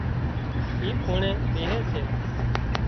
اِي کونڻي ٻيهي سي